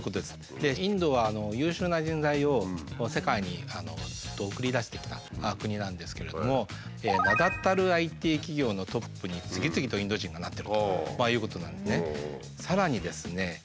インドは優秀な人材を世界にずっと送り出してきた国なんですけれども名だたるＩＴ企業のトップに次々とインド人がなってるということなのでさらにですね